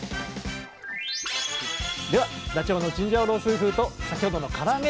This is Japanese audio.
では「ダチョウのチンジャオロースー風」と先ほどの「から揚げ」！